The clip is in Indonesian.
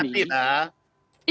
kalau tidak salah ya dihormati